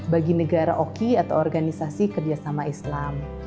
bagi negara oki atau organisasi kerjasama islam